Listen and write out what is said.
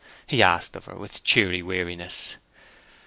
he asked of her, with cheery weariness.